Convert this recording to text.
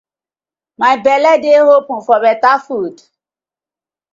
My belle dey open for betta food.